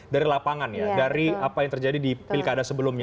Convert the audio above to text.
dari lapangan ya dari apa yang terjadi di pilkada sebelumnya